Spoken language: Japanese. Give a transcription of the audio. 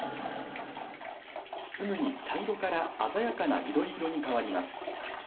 すぐに茶色から鮮やかな緑色に変わります。